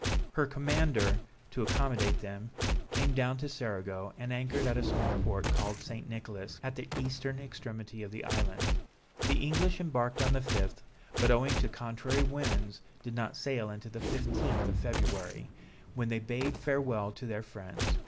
Her commander, to accommodate them, came down to Cerigo, and anchored at a small port called St. Nicholas, at the eastern extremity of the island. The English embarked on the 5th, but, owing to contrary winds, did not sail until the 15th of February, when they bade farewell to their friends.